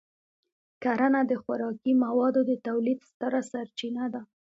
کرنه د خوراکي موادو د تولید ستره سرچینه ده.